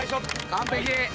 完璧。